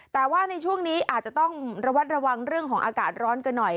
แต่ว่าในช่วงนี้อาจจะต้องระวัดระวังเรื่องของอากาศร้อนกันหน่อย